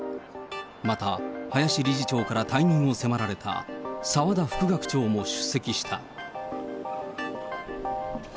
また、林理事長から退任を迫られた澤田副学長も出席した。